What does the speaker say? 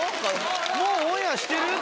もうオンエアしてる？」。